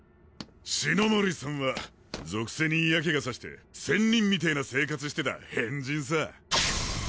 四ノ森さんは俗世に嫌気がさして仙人みてな生活してた変人さ。